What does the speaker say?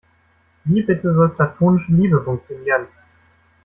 Wie bitte soll platonische Liebe funktionieren?